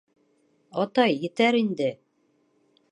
— Атай, етәр инде.